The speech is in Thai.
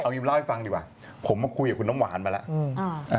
เล่าให้ฟังดีกว่าผมมาคุยกับคุณน้ำหวานมาแล้ว